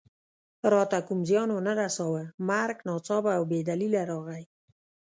راته کوم زیان و نه رساوه، مرګ ناڅاپه او بې دلیله راغی.